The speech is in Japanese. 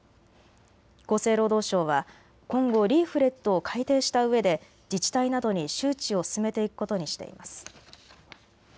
厚生労働省は今後、リーフレットを改定したうえで自治体などに周知を進めていくことにしています。